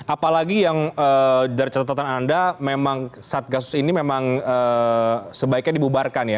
apalagi yang dari catatan anda memang satgasus ini memang sebaiknya dibubarkan ya